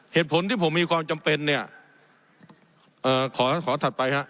เหตุผลที่ผมมีความจำเป็นเนี่ยเอ่อขอขอถัดไปฮะ